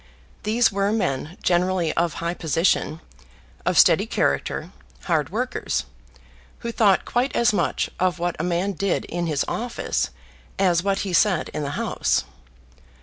These were men, generally of high position, of steady character, hard workers, who thought quite as much of what a man did in his office as what he said in the House.